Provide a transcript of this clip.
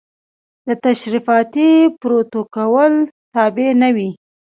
د تشریفاتي پروتوکول تابع نه وي.